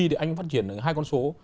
thì anh phát triển được hai con số